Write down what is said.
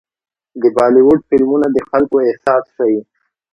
د بالیووډ فلمونه د خلکو احساس ښيي.